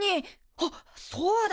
あっそうだ！